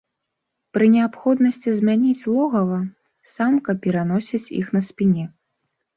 Пры неабходнасці змяніць логава, самка пераносіць іх на спіне.